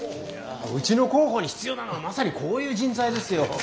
うちの広報に必要なのはまさにこういう人材ですよ。